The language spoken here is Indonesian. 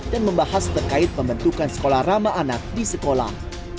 dan membahas terkait pembentukan sekolah rama anak di sekolah